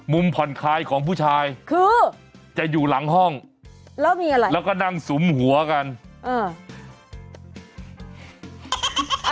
มุมผ่อนคลายของผู้ชายจะอยู่หลังห้องแล้วก็นั่งสุมหัวกันเออ